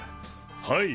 はい。